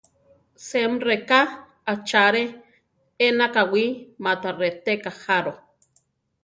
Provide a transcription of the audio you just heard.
Semreká achare ena kawí ma ta reteka jaro.